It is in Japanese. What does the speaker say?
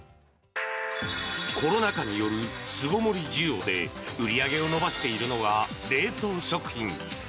コロナ禍による巣ごもり需要で売り上げを伸ばしているのが冷凍食品。